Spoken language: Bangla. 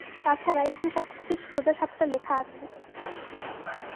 তাছাড়া, এখানে সবকিছু সোজা সাপটা লেখা আছে।